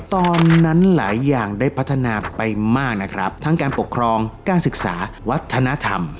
ตอนนั้นหลายอย่างได้พัฒนาไปมากนะครับทั้งการปกครองการศึกษาวัฒนธรรม